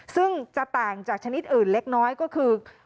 ซึ่งจะต่างจากชนิดอื่นเล็กน้อยก็คือ